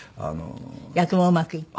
役もうまくいった？